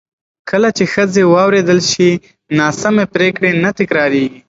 کله چې ښځې واورېدل شي، ناسمې پرېکړې نه تکرارېږي.